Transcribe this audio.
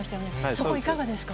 そこ、いかがですか。